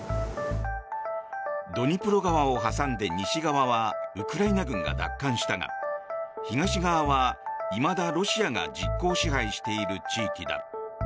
ドニプロ川を挟んで西側はウクライナ軍が奪還したが東側はいまだロシアが実効支配している地域だ。